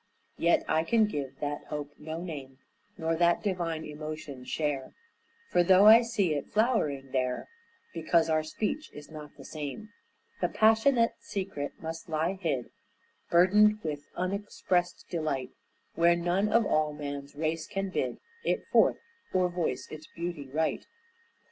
Yet I can give that hope no name, Nor that divine emotion share, For, though I see it flowering there, Because our speech is not the same The passionate secret must lie hid Burdened with unexpressed delight, Where none of all man's race can bid It forth, or voice its beauty right.